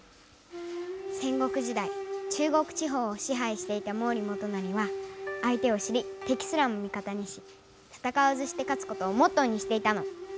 戦国時代中国地方をしはいしていた毛利元就はあい手を知りてきすらもみ方にしたたかわずしてかつことをモットーにしていたの。